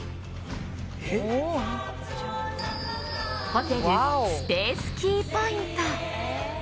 ホテル、スペースキーポイント。